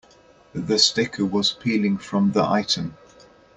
The sticker was peeling from the item.